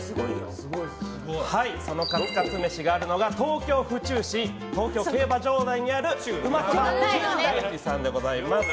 そのカツカツ飯があるのが東京・府中市東京競馬場内にある馬そば深大寺さんでございます。